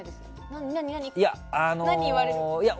何、言われる？